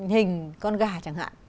hình con gà chẳng hạn